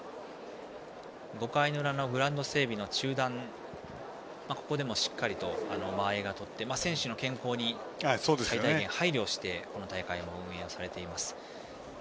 ５回の裏のグラウンド整備で中断しここでも間合いを取って選手の健康に最大限配慮をしてこの大会行われています。